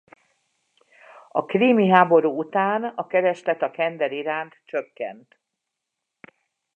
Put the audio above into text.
A krími háború után a kereslet a kender iránt csökkent.